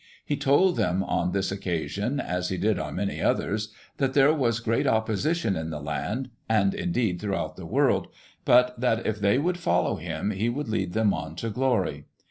He told them on this occasion, as he did on many others, that there was great opposition in the land, and, indeed, throughout the world, but, that if they would follow him, he would lead them on to glory.